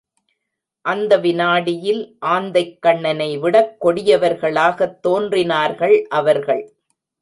அந்த விநாடியில் ஆந்தைக்கண்ணனைவிடக் கொடியவர்களாகத் தோன்றினார்கள் அவர்கள்.